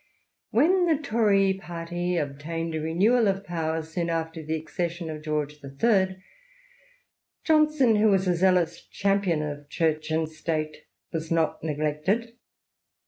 When the Tory party obtained a renewal of power soon after the accession of George III., Johnson, who was a zealous champion of Church and State, was not neglected.